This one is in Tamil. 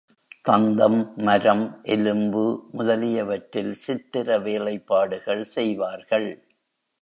தந்தம், மரம், எலும்பு முதலியவற்றில் சித்திர வேலைப்பாடுகள் செய்வார்கள்.